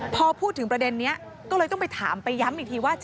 พอพูดถึงประเด็นนี้ก็เลยต้องไปถามไปย้ำอีกทีว่า